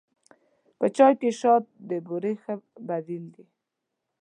په چای کې شات د بوري ښه بدیل دی.